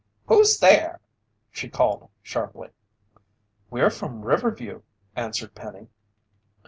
"Who's there?" she called sharply. "We're from Riverview," answered Penny.